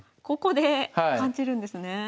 ここで感じるんですね。